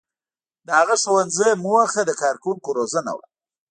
• د هغه ښوونځي موخه د کارکوونکو روزنه وه.